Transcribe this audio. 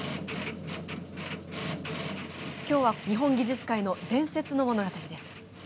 今日は日本技術界の伝説の物語です。